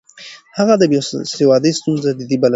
هغه د بې سوادۍ ستونزه جدي بلله.